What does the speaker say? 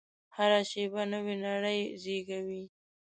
هره شېبه نوې نړۍ زېږوي.